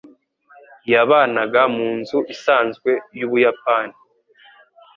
Yabanaga munzu isanzwe yubuyapani.